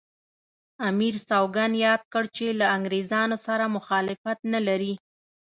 امیر سوګند یاد کړ چې له انګریزانو سره مخالفت نه لري.